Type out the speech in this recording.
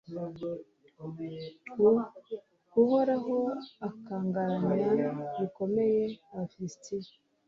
uhoraho akangaranya bikomeye abafilisiti